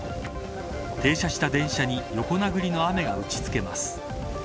停車した電車に横殴りの雨が打ちつけます。